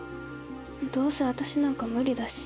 どうせ私なんか無理だし。